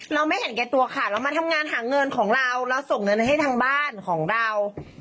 เราไม่เห็นแก่ตัวค่ะเรามาทำงานหาเงินของเราเราส่งเงินให้ทางบ้านของเรา